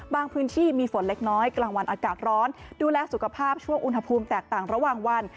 พื้นที่มีฝนเล็กน้อยกลางวันอากาศร้อนดูแลสุขภาพช่วงอุณหภูมิแตกต่างระหว่างวัน